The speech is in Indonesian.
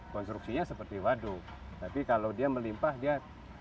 konstruksinya seperti waduk tapi kalau dia melimpah dia